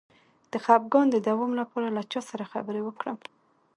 د خپګان د دوام لپاره له چا سره خبرې وکړم؟